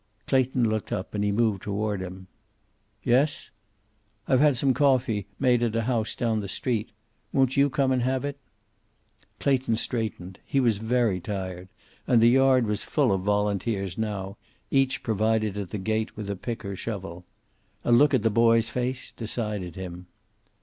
Clayton looked up, and he moved toward him. "Yes?" "I've had some coffee made at a house down the street. Won't you come and have it?" Clayton straightened. He was very tired, and the yard was full of volunteers now, each provided at the gate with a pick or shovel. A look at the boy's face decided him.